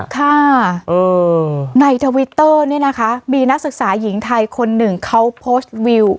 ค่ะในทวิตเตอร์เนี่ยนะคะมีนักศึกษาหญิงไทยคนหนึ่งเขาโพสต์วิว